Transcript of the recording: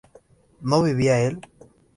¿no vivía él?